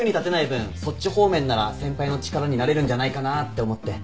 そっち方面なら先輩の力になれるんじゃないかなって思って。